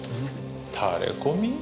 タレコミ？